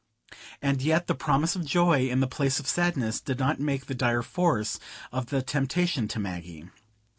And yet that promise of joy in the place of sadness did not make the dire force of the temptation to Maggie.